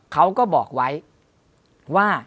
เขาก็บอกไว้ว่า